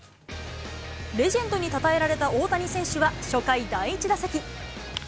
レジェンドにたたえられた大谷選手は初回、第１打席。